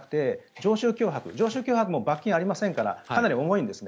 常習脅迫も罰金はありませんからかなり重いんですね。